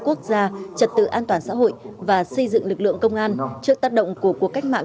quốc gia trật tự an toàn xã hội và xây dựng lực lượng công an trước tác động của cuộc cách mạng